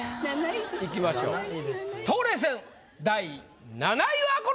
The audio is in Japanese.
いきましょう冬麗戦第７位はこの人！